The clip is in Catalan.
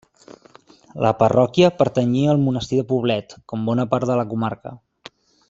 La parròquia pertanyia al monestir de Poblet, com bona part de la comarca.